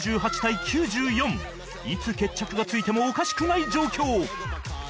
いつ決着がついてもおかしくない状況